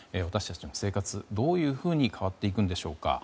私たちの生活、どういうふうに変わっていくのでしょうか。